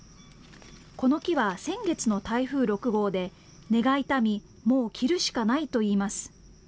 この木は先月の台風６号で、根が傷み、もう切るしかないといいます。